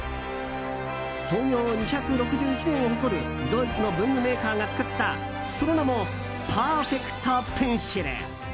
創業２６１年を誇るドイツの文具メーカーが作ったその名もパーフェクトペンシル。